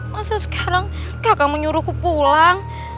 masa sekarang kakang menyuruhku pulang